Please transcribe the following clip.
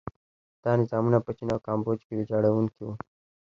دا نظامونه په چین او کامبوج کې ویجاړوونکي وو.